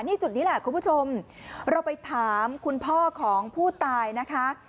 นี่จุดนี้แหละคุณผู้ชมเราไปถามคุณพ่อของผู้ตายนะคะ